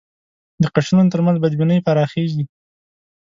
د قشرونو تر منځ بدبینۍ پراخېږي